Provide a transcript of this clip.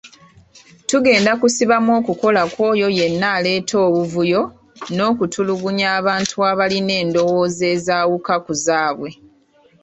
Tetugenda kusibamu okukola kwoyo yenna aleeta obuvuyo n'okutulugunya abantu abalina endowooza ezawuka ku zaabwe.